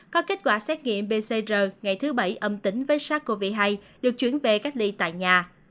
có kết quả xét nghiệm pcr ngày thứ bảy âm tính với sars cov hai được chuyển về cách ly tại nhà